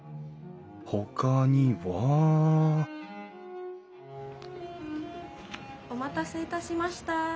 ほかにはお待たせいたしました。